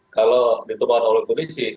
kalau ditemukan oleh polisi